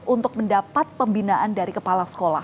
untuk mendapat pembinaan dari syurga dan dikumpulkan oleh kepala sekolah